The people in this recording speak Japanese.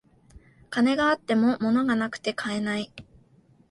金があっても物がなくて買えない